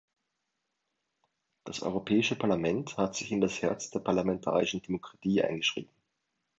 Das Europäische Parlament hat sich in das Herz der parlamentarischen Demokratie eingeschrieben.